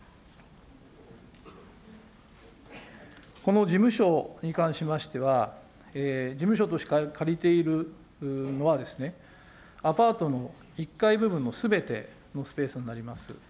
この事務所に関しましては、事務所として借りてあるのは、アパートの１階部分のすべてのスペースになります。